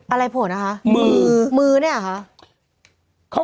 อะไรโผล่นะคะมือมือนี่หรือเปล่า